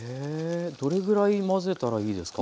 どれぐらい混ぜたらいいですか？